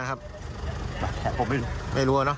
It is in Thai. อ๋อปั๊บกิน